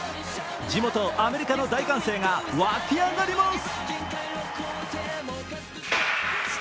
地元・アメリカの大歓声が湧き上がります。